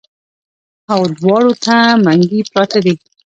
او دواړو ته منګي پراتۀ دي